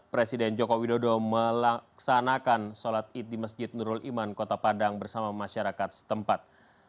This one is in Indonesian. presiden joko widodo melaksanakan sholat id di masjid nurul iman kota padang bersama masyarakat setempat